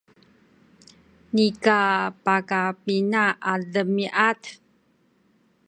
nika pakapina a demiad